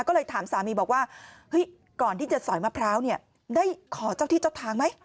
ก็เลยถามสามีบอกว่าเฮ้ยก่อนที่จะสอยมะพร้าวเนี่ยได้ขอเจ้าที่เจ้าทางไหม